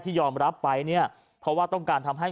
ยอมรับไปเนี่ยเพราะว่าต้องการทำให้